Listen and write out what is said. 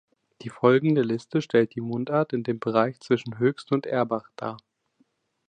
Die folgende Liste stellt die Mundart in dem Bereich zwischen Höchst und Erbach dar.